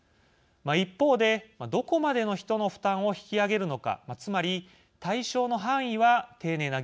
一方でどこまでの人の負担を引き上げるのかつまり対象の範囲は丁寧な議論が求められます。